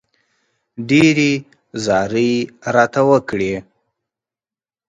ډېرې زارۍ راته وکړې.